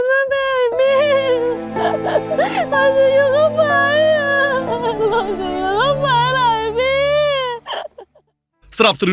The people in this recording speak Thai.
อายมีช่วยตัวแม่